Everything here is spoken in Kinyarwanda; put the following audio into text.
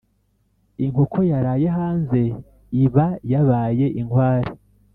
Inkoko yaraye hanze iba yabaye inkware.